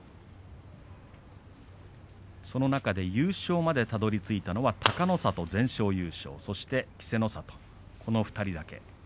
その中で優勝までたどりついたのは隆の里、全勝優勝そして稀勢の里この２人だけです。